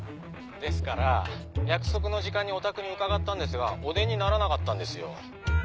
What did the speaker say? ですから約束の時間にお宅に伺ったんですがお出にならなかったんですよ。